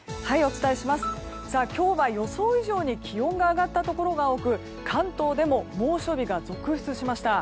今日は予想以上に気温が上がったところが多く関東でも猛暑日が続出しました。